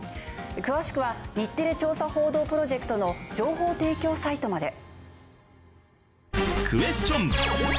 詳しくは日テレ調査報道プロジェクトの情報提供サイトまで。